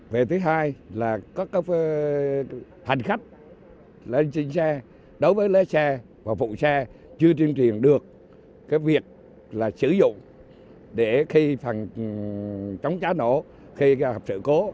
về thứ hai là các hành khách lên xe đối với lấy xe và phụ xe chưa truyền được cái việc là sử dụng để khi phần trống chá nổ khi gặp sự cố